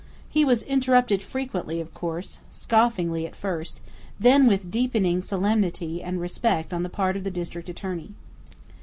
He was interrupted frequently of course, scoffingly at first, then with deepening solemnity and respect on the part of the district attorney.